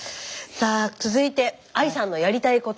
さあ続いてＡＩさんのやりたいこと。